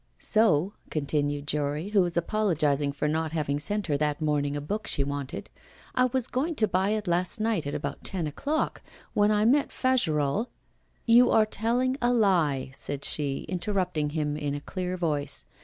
'So,' continued Jory, who was apologising for not having sent her that morning a book she wanted, 'I was going to buy it last night at about ten o'clock, when I met Fagerolles ' 'You are telling a lie,' said she, interrupting him in a clear voice.